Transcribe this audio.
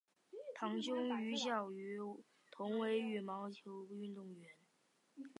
堂兄于小渝同为羽毛球运动员。